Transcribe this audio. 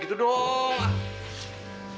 kau mau ngasih apa